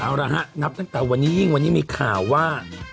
เอาละฮะนับตั้งแต่วันนี้ยิ่งวันนี้มีข่าวว่า